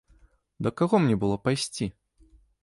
Да каго мне было пайсці?